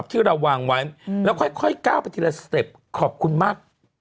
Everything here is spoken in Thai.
กับที่เราวางไว้แล้วค่อยค่อยกรณ์คิดละก็ขอบคุณมาก